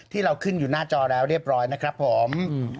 ที่เราขึ้นอยู่หน้าจอแล้วเรียบร้อยนะครับผม